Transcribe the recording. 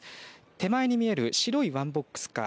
手前に見える白いワンボックスカー